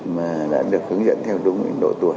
mà đã được hướng dẫn theo đúng độ tuổi